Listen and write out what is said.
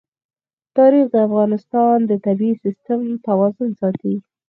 تاریخ د افغانستان د طبعي سیسټم توازن ساتي.